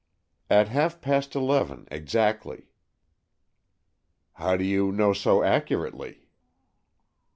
"At half past eleven exactly." "How do you know so accurately?"